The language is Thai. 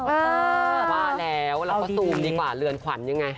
ว่าแล้วเราก็ซูมดีกว่าเรือนขวัญยังไง